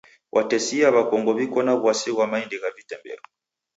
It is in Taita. Watesia w'akongo w'iko na w'asi ghwa maindi gha vitemberu.